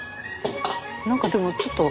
何かでもちょっと。